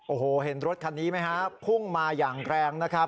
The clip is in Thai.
โอ้โหเห็นรถคันนี้ไหมฮะพุ่งมาอย่างแรงนะครับ